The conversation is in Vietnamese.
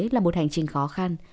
là một hành trình khó khăn